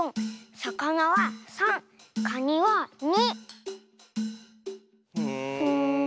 「さ・か・な」は３で「か・に」は２。